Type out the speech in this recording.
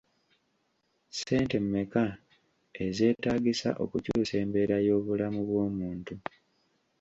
Ssente mmeka ezeeetaagisa okukyusa embeera y'obulamu bw'omuntu?